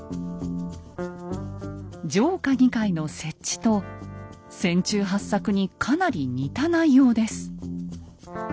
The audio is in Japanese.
上下議会の設置と船中八策にかなり似た内容です。